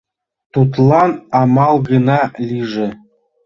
Тудлан амал гына лийже.